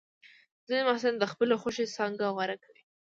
ځینې محصلین د خپلې خوښې څانګه غوره کوي.